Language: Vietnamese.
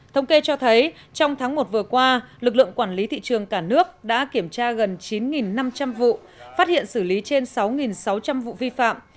thống kê cho thấy trong tháng một vừa qua lực lượng quản lý thị trường cả nước đã kiểm tra gần chín năm trăm linh vụ phát hiện xử lý trên sáu sáu trăm linh vụ vi phạm